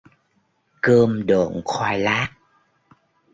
Cơm độn khoai lát